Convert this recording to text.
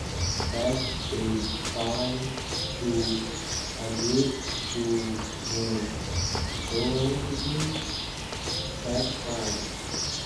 Cats take time to adjust to new surroundings. Keep trying.